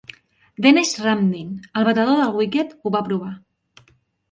Denesh Ramdin, el batedor del wicket, ho va provar.